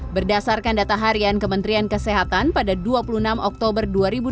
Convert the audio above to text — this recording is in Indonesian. berdasarkan data harian kementerian kesehatan pada dua puluh enam oktober dua ribu dua puluh